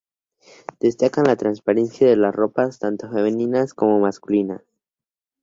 Destacan la transparencia de las ropas, tanto femeninas como masculinas.